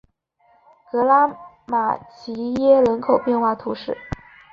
格拉马齐耶人口变化图示